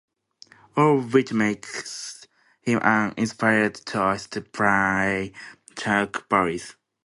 All of which makes him an inspired choice to play Chuck Barris.